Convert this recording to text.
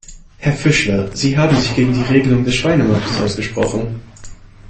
Herr Fischler, Sie haben sich gegen die Regelung des Schweinemarktes ausgesprochen.